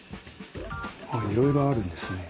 あっいろいろあるんですね。